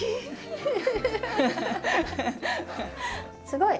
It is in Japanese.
すごい。